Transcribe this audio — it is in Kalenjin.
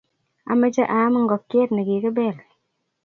ameche aam ngokyet ne kikibel.